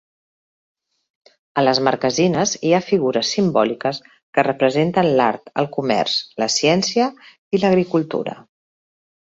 A les marquesines hi ha figures simbòliques que representen l'art, el comerç, la ciència i l'agricultura.